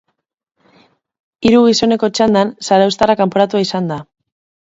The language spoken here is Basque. Hiru gizoneko txandan, zarauztarra kanporatua izan da.